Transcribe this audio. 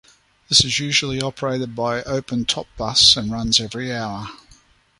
This is usually operated by an open top bus, and runs every hour.